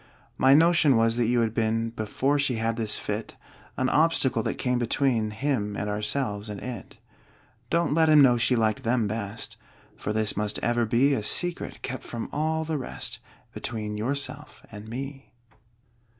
My notion was that you had been (Before she had this fit) An obstacle that came between Him, and ourselves, and it. Don't let him know she liked them best, For this must ever be A secret, kept from all the rest, Between yourself and me.